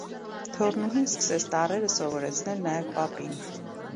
Թոռնուհին սկսեց տառերը սովորեցնել նաև պապին։